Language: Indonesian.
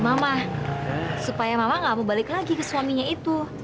mama supaya mama gak mau balik lagi ke suaminya itu